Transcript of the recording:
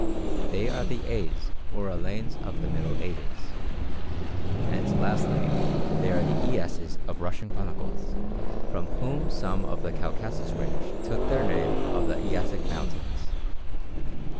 They are the As or Alains of the middle ages. And lastly, they are the Iasses of Russian chronicles, from whom some of the Caucasus range took their name of the Iassic Mountains."